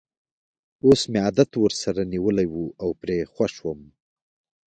اوس مې عادت ورسره نیولی وو او پرې خوښ وم.